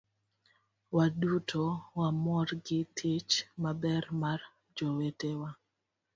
waduto wamor gi tich maber mar jowetewa